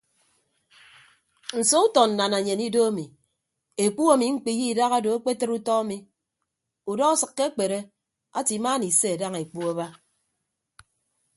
Nso utọ nnanenyen ido ami ekpu ami mkpiye idahado akpetịd utọ ami udọ asịkke akpere ate imaana ise daña ekpu aba.